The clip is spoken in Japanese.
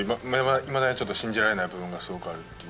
いまだにちょっと信じられない部分がすごくあるっていう。